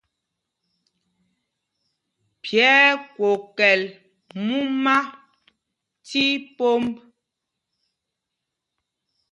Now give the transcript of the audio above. Pye ɛ́ ɛ́ kwokɛl múma tí pômb.